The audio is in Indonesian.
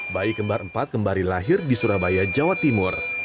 bayi kembar empat kembali lahir di surabaya jawa timur